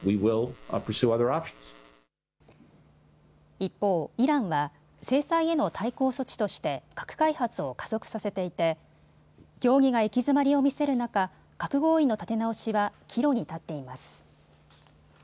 一方、イランは制裁への対抗措置として核開発を加速させていて協議が行き詰まりを見せる中、核合意の立て直しは岐路に立っています。